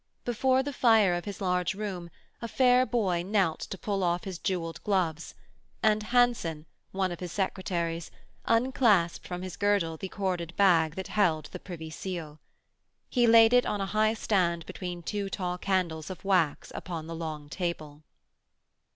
Before the fire of his large room a fair boy knelt to pull off his jewelled gloves, and Hanson, one of his secretaries, unclasped from his girdle the corded bag that held the Privy Seal. He laid it on a high stand between two tall candles of wax upon the long table.